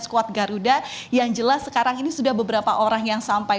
skuad garuda yang jelas sekarang ini sudah beberapa orang yang sampai